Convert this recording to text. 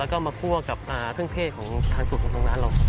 แล้วก็มาคั่วกับเครื่องเทศของทางสูตรของทางร้านเรา